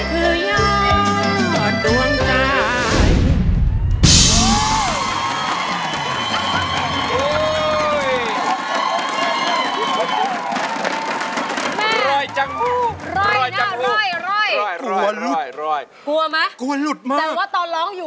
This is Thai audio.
คือยอดตัวนาย